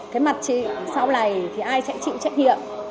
cái mặt chị sau này thì ai chạy chị cũng chấp nhận